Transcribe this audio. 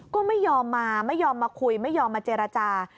ก็ไม่ยอมมาไม่ยอมมาคุยไม่ยอมมาเจรจา